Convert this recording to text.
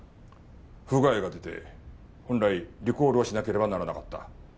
不具合が出て本来リコールをしなければならなかった。